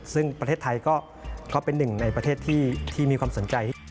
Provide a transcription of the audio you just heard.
ซึ่งประเทศไทยก็เป็นหนึ่งในประเทศที่มีความสนใจ